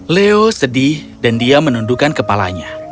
leo sedih dan dia menundukan kepalanya